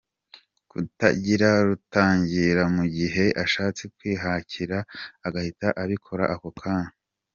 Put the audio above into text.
Kutagira rutangira mu gihe ashatse kwihagarika agahita abikora ako kanya.